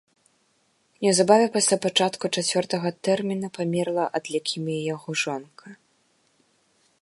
Неўзабаве пасля пачатку чацвёртага тэрміна памерла ад лейкеміі яго жонка.